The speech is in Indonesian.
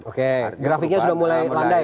oke grafiknya sudah mulai landai